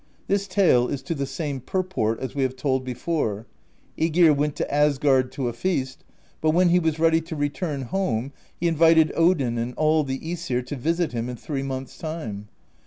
This tale is to the same purport as we have told before: JEgir went to Asgard to a feast, but when he was ready to return home, he invited Odin and all the ^sir to visit him in three months' time.